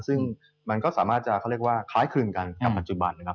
ซึ่งมันก็สามารถจะคล้ายคลิ่นกันกับปัจจุบันนะครับ